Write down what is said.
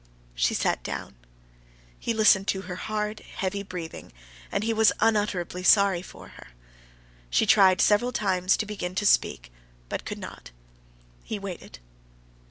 She sat down. He listened to her hard, heavy breathing, and he was unutterably sorry for her. She tried several times to begin to speak, but could not. He waited.